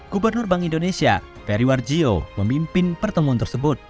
gubernur bank indonesia periwar jio memimpin pertemuan tersebut